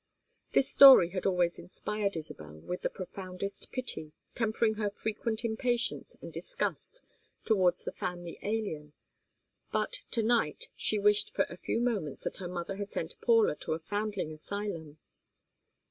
This story had always inspired Isabel with the profoundest pity, tempering her frequent impatience and disgust towards the family alien, but to night she wished for a few moments that her mother had sent Paula to a foundling asylum.